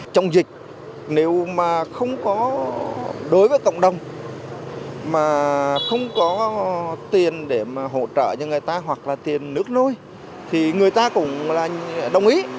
chống dịch nếu mà không có đối với cộng đồng mà không có tiền để mà hỗ trợ cho người ta hoặc là tiền nước nuôi thì người ta cũng là đồng ý